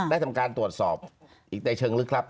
ทำการตรวจสอบอีกในเชิงลึกครับ